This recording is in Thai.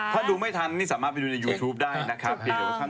ถ้ารู้ไม่ทันสามารถไปดูในยูทูปได้นะฮะ